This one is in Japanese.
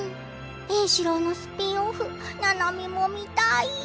円四郎のスピンオフななみも見たい。